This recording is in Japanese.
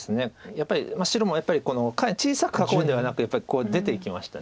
やっぱり白も下辺小さく囲うんではなくやっぱり出ていきました。